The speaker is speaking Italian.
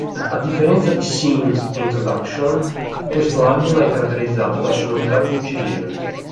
A differenza di Scenes e "Introduction", questo album è caratterizzato da sonorità più incisive.